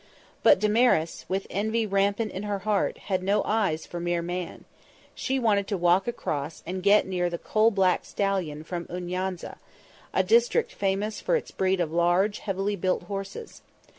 But Damaris, with envy rampant in her heart, had no eyes for mere man; she wanted to walk across and get near the coal black stallion from Unayza, a district famous for its breed of large, heavy built horses.